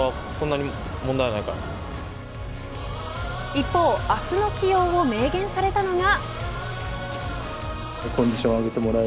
一方、明日の起用を明言されたのが。